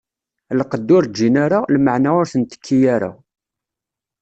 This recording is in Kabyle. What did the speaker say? Lqedd ur ǧǧin ara, lmeɛna ur ten-tekki ara.